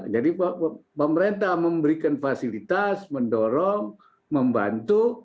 jadi pemerintah memberikan fasilitas mendorong membantu